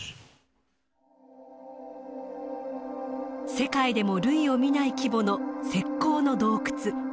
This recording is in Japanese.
世界でも類を見ない規模の石こうの洞窟。